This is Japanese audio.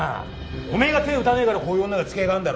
おめぇが手打たねぇからこういう女がつけあがんだろ。